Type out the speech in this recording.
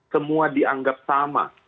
semua dianggap sama